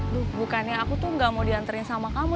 duh bukannya aku tuh ga mau dianterin sama kamu